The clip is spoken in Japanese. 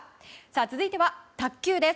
続いては卓球です。